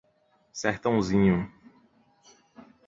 Sertãozinho